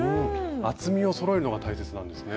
厚みをそろえるのが大切なんですね。